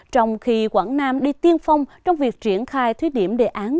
trong khi quảng nam đi tiên phong trong việc triển khai thí điểm đề án